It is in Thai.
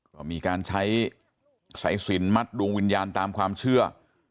ก็มีการใช้สายสินมัดดวงวิญญาณตามความเชื่อ